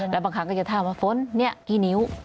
แล้วบางครั้งก็จะถามว่าฝนเนี่ยกี่นิ้ว